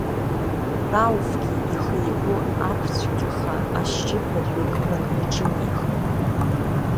Рауфгьы ихы-игәы ақәцәгьаха, ашьшьыҳәа дҩагылан, иҿынеихеит.